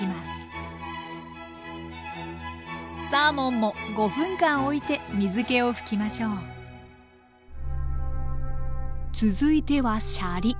サーモンも５分間おいて水けを拭きましょう続いてはシャリ。